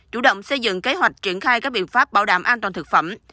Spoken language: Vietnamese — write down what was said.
chủ động xây dựng kế hoạch triển khai các biện pháp bảo đảm an toàn thực phẩm